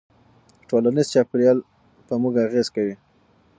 ټولنیز چاپېریال په موږ اغېزه کوي.